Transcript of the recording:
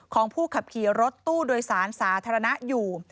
ของผู้ขับขี่รถตู้โดยสารสาธารณะอยู่